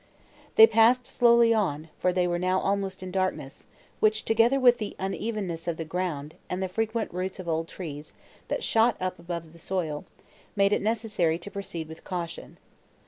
They passed slowly on, for they were now almost in darkness, which, together with the unevenness of the ground, and the frequent roots of old trees, that shot up above the soil, made it necessary to proceed with caution.